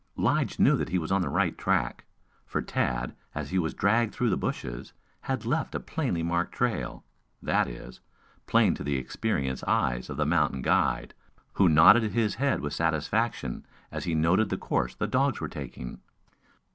Lige knew that he was on the right track, for Tad, as he was dragged through the bushes, had left a plainly marked trail that is, plain to the experienced eyes of the mountain guide, who nodded his head with satisfaction as he noted the course the dogs were taking.